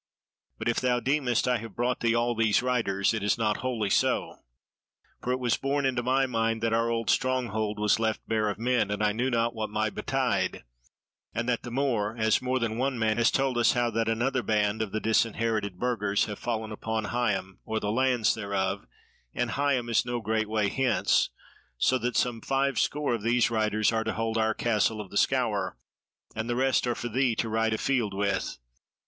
But if thou deemest I have brought thee all these riders it is not wholly so. For it was borne into my mind that our old stronghold was left bare of men, and I knew not what might betide; and that the more, as more than one man has told us how that another band of the disinherited Burgers have fallen upon Higham or the lands thereof, and Higham is no great way hence; so that some five score of these riders are to hold our Castle of the Scaur, and the rest are for thee to ride afield with.